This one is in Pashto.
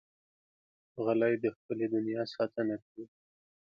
غلی، د خپلې دنیا ساتنه کوي.